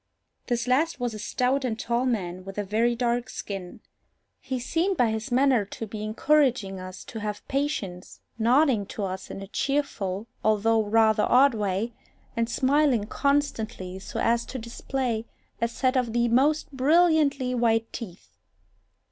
This last was a stout and tall man, with a very dark skin. He seemed by his manner to be encouraging us to have patience, nodding to us in a cheerful although rather odd way, and smiling constantly, so as to display a set of the most brilliantly white teeth.